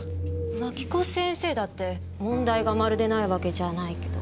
槙子先生だって問題がまるでないわけじゃないけど。